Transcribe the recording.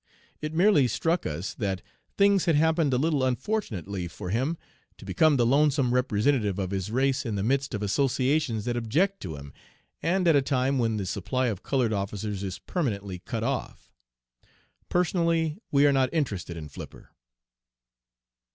It merely struck us that things had happened a little unfortunately for him, to become the lonesome representative of his race in the midst of associations that object to him and at a time when the supply of colored officers is permanently cut off. Personally we are not interested in Flipper."